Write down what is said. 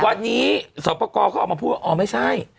วันนี้สอบประกอบเขาออกมาพูดว่าอ๋อไม่ใช่